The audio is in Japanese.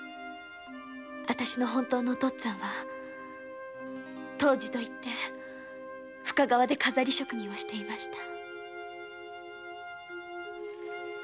あたしの本当のお父っつぁんは藤次といって深川で飾り職人をしていました。